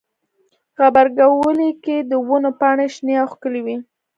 غبرګولی کې د ونو پاڼې شنې او ښکلي وي.